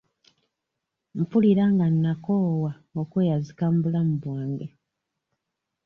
Mpulira nga nnakoowa okweyazika mu bulamu bwange.